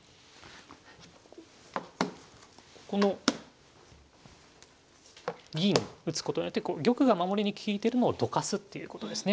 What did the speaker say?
この銀打つことによって玉が守りに利いてるのをどかすっていうことですね。